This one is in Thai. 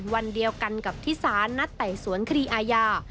วันเดียวกันกับที่สารนัดไต่สวนคดีอาญา